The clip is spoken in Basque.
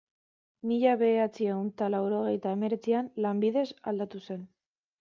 Mila bederatziehun eta laurogeita hemeretzian, lanbidez aldatu zen.